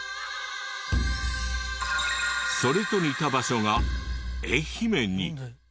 それと似た場所が愛媛に。